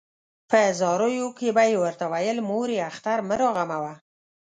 په زاریو کې به یې ورته ویل مورې اختر مه راغموه.